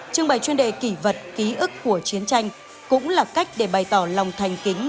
trưng bày chuyên đề kỷ vật ký ức của chiến tranh cũng là cách để bày tỏ lòng thành kính